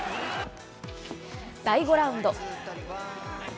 第５ラウンド。